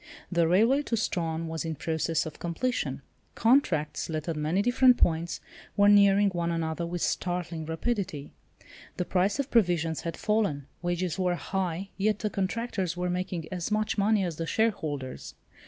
The railway to Strahan was in process of completion. Contracts, let at many different points, were nearing one another with startling rapidity. The price of provisions had fallen. Wages were high—yet the contractors were making as much money as the shareholders.